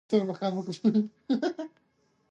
د خلکو ګډون د بدلون سرچینه ده